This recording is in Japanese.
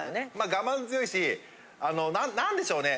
我慢強いしなんでしょうね。